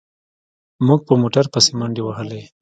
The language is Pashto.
موږ په موټر پسې منډې وهلې.